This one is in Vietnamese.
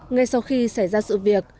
ngay sau khi xảy ra sự việc